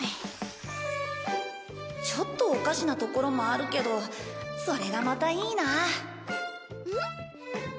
ちょっとおかしなところもあるけどそれがまたいいなあん？